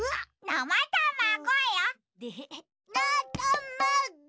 なたまご。